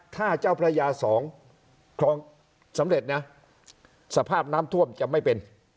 ถ้าเจ้าพระยาสองคลองสำเร็จนะสภาพน้ำท่วมจะไม่เป็น